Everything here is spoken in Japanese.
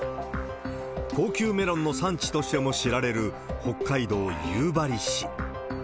高級メロンの産地としても知られる、北海道夕張市。